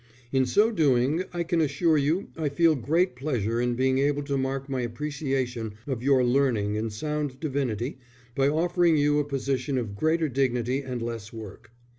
In so doing, I can assure you I feel great pleasure in being able to mark my appreciation of your learning and sound divinity by offering you a position of greater dignity and less work.